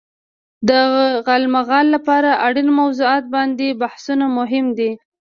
د غالمغال لپاره اړين موضوعات باندې بحثونه مهم دي.